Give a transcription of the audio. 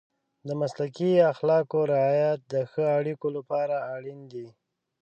د مسلکي اخلاقو رعایت د ښه اړیکو لپاره اړین دی.